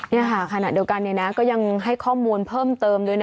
นี่ค่ะขณะเดียวกันก็ยังให้ข้อมูลเพิ่มเติมด้วยนะ